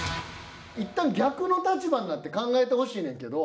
いったん逆の立場になって考えてほしいねんけど。